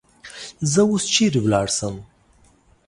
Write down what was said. زه اوس چیری ولاړسم؟